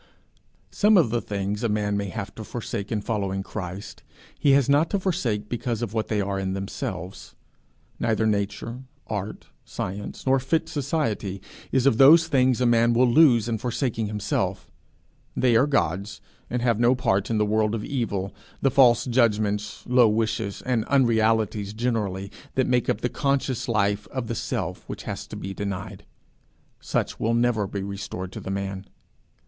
Some of the things a man may have to forsake in following Christ, he has not to forsake because of what they are in themselves. Neither nature, art, science, nor fit society, is of those things a man will lose in forsaking himself: they are God's, and have no part in the world of evil, the false judgments, low wishes, and unrealities generally, that make up the conscious life of the self which has to be denied: such will never be restored to the man.